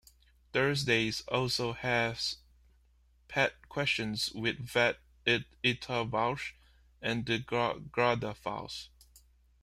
Thursdays also has Pet Questions with vet Ita Walshe and the Garda File.